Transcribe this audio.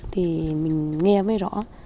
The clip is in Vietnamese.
thì mình nghe mới rõ